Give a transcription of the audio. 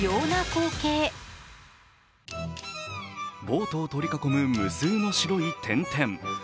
ボートを取り囲む無数の白い点々。